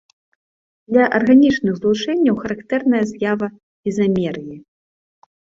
Для арганічных злучэнняў характэрная з'ява ізамерыі.